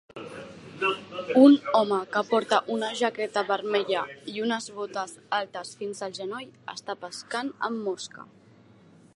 Un home que porta una jaqueta vermella i unes botes altes fins el genoll està pescant amb mosca.